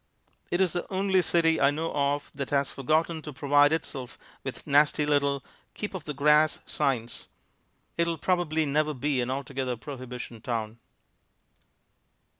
It is the only city I know of that has forgotten to provide itself with nasty little "Keep Off The Grass" signs. It will probably never be an altogether prohibition town.